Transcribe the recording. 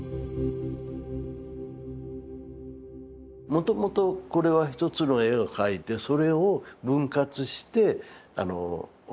もともとこれは一つの絵を描いてそれを分割して送ってくるっていう。